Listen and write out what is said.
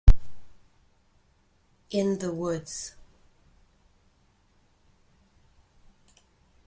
In the woods.